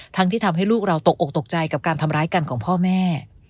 ที่ทำให้ลูกเราตกอกตกใจกับการทำร้ายกันของพ่อแม่